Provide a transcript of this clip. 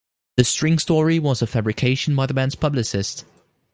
The string story was a fabrication by the band's publicist.